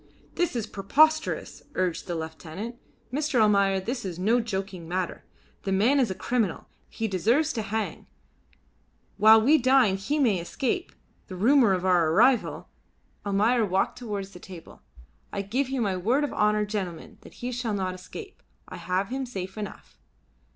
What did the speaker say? "This is preposterous," urged the lieutenant. "Mr. Almayer, this is no joking matter. The man is a criminal. He deserves to hang. While we dine he may escape; the rumour of our arrival " Almayer walked towards the table. "I give you my word of honour, gentlemen, that he shall not escape; I have him safe enough."